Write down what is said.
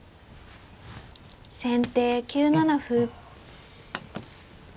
先手９七歩。